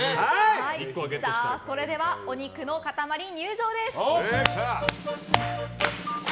それではお肉の塊、入場です！